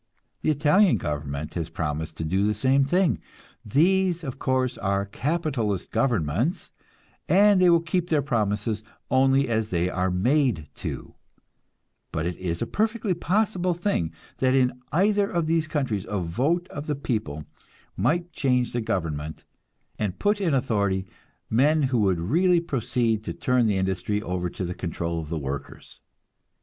The Italian government has promised to do the same thing. These, of course, are capitalist governments, and they will keep their promises only as they are made to; but it is a perfectly possible thing that in either of these countries a vote of the people might change the government, and put in authority men who would really proceed to turn industry over to the control of the workers.